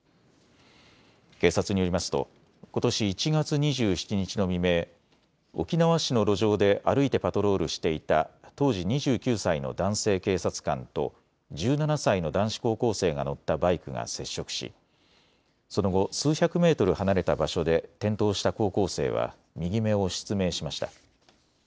警察によりますとことし１月２７日の未明、沖縄市の路上で歩いてパトロールしていた当時２９歳の男性警察官と１７歳の男子高校生が乗ったバイクが接触しその後、数百メートル離れた場所で転倒した高校生は右目を失明しました。